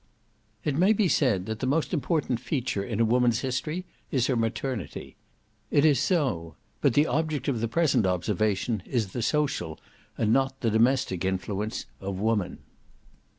It may be said that the most important feature in a woman's history is her maternity. It is so; but the object of the present observation is the social, and not the domestic influence of woman.